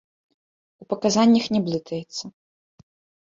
У паказаннях не блытаецца.